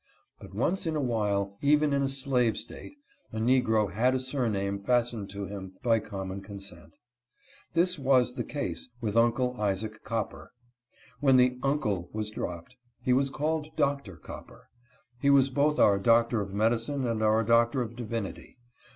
But once in a while, even in a slave state, a ^ftbgro had a sur name fastened to him by common consent. This was the REMEDIES FOR BODY AND SOUL. 47 case with " Uncle " Isaac Copper. When the " Uncle " was dropped, he was called Doctor Copper. He was both our Doctor of Medicine and our Doctor of Divinity.